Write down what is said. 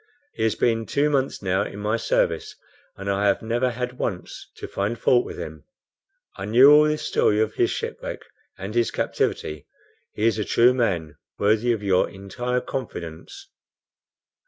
He has been two months now in my service, and I have never had once to find fault with him. I knew all this story of his shipwreck and his captivity. He is a true man, worthy of your entire confidence."